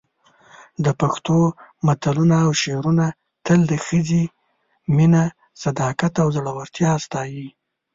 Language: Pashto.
د پښتو متلونه او شعرونه تل د ښځې مینه، صداقت او زړورتیا ستایي.